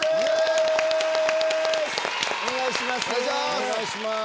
お願いします。